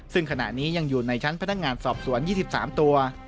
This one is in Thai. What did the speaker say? ซึ่งขณะนี้ยังอยู่ในชั้นพนักงานสอบสวน๒๓ตัว